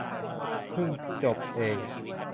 เพิ่งจบเอง